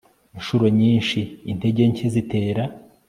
Inshuro nyinshi intege nke zitera